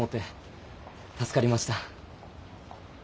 助かりました。